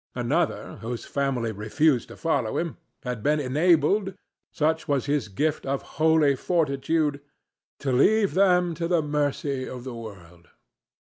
Another, whose family refused to follow him, had been enabled—such was his gift of holy fortitude—to leave them to the mercy of the world.